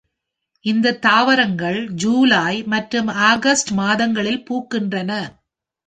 இந்த தாவரங்கள் ஜூலை மற்றும் ஆகஸ்ட் மாதங்களில் பூக்கின்றன.